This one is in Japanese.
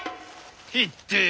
ひっでえ